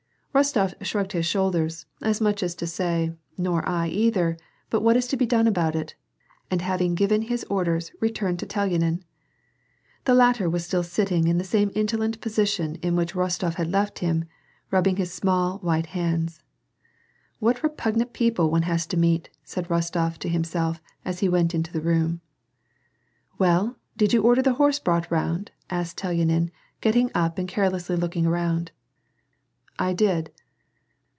Rostof shrugged his shoulders, as much as to say : Nor I, either, but what is to be done about it, and having given his orders, returned to Telyanin. The latter was still sitting in the same indolent position in which Rostof had left him, rubbing his small, white hands. " What repugnant people one has to meet," said Rostof to himself, as he went into the room. " Well, did you order the horse brought round ?" asked Tel yanin, getting up and carelessly looking around. " I did."